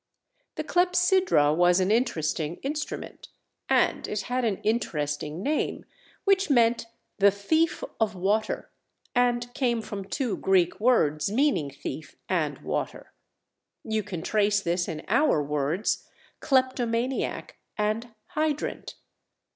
The clepsydra was an interesting instrument, and it had an interesting name, which meant the "thief of water" and came from two Greek words meaning "thief" and "water"; you can trace this in our words "kleptomaniac" and "hydrant."